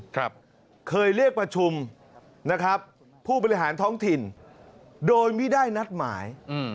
เคยเรียกประชุมนะครับผู้บริหารท้องถิ่นโดยไม่ได้นัดหมายอืม